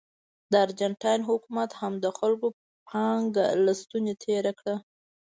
د ارجنټاین حکومت هم د خلکو پانګه له ستونې تېره کړه.